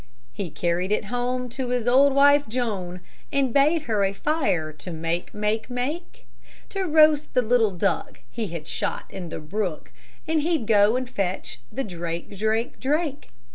He carried it home to his old wife Joan, And bade her a fire to make, make, make. To roast the little duck he had shot in the brook, And he'd go and fetch the drake, drake, drake.